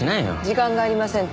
時間がありません。